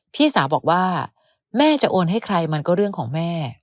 พี่สาวบอกว่าแม่จะโอนให้ใครมันก็เรื่องของแม่